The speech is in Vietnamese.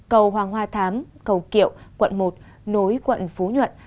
cầu hoàng hoa thám cầu kiệu quận một nối quận phú nhuận